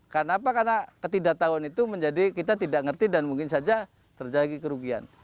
kenapa karena ketidaktauan itu menjadi kita tidak ngerti dan mungkin saja terjadi kerugian